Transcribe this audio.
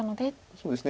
そうですね。